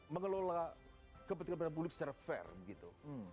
mengelola kepentingan penampung unik secara fair gitu